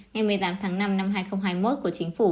ngày một mươi tám tháng năm năm hai nghìn hai mươi một của chính phủ